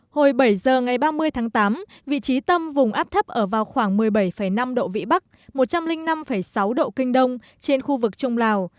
hồi bảy giờ ngày ba mươi tháng tám vị trí tâm vùng áp thấp ở vào khoảng một mươi bảy năm độ vĩ bắc một trăm linh năm sáu độ kinh đông trên khu vực trung lào